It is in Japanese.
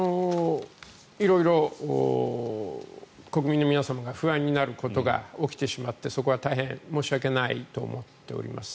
色々、国民の皆様が不安になることが起きてしまってそこは大変申し訳ないと思っております。